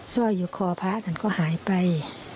ซ่อยอยู่คอพระอาจารย์ก็หายไป